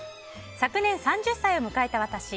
昨年３０歳を迎えた私。